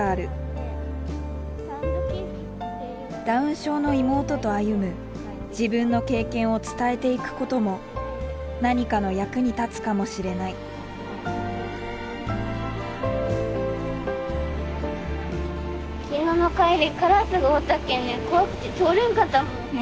ダウン症の妹と歩む自分の経験を伝えていくことも何かの役に立つかもしれないほんと？